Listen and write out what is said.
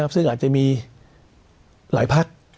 ซึ่งอาจจะมีหลายพัก